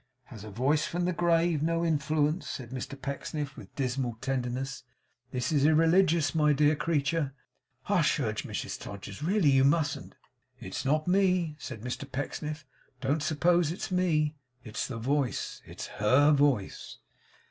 'Has a voice from the grave no influence?' said Mr Pecksniff, with, dismal tenderness. 'This is irreligious! My dear creature.' 'Hush!' urged Mrs Todgers. 'Really you mustn't.' 'It's not me,' said Mr Pecksniff. 'Don't suppose it's me; it's the voice; it's her voice.